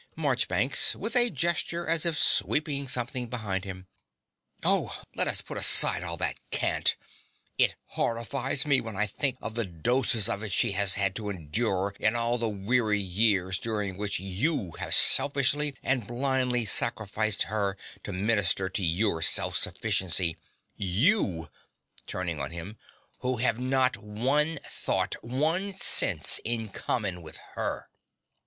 MARCHBANKS (with a gesture as if sweeping something behind him). Oh, let us put aside all that cant. It horrifies me when I think of the doses of it she has had to endure in all the weary years during which you have selfishly and blindly sacrificed her to minister to your self sufficiency YOU (turning on him) who have not one thought one sense in common with her.